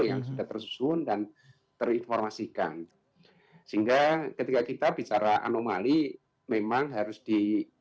yang sudah tersusun dan terinformasikan sehingga ketika kita bicara anomali memang harus di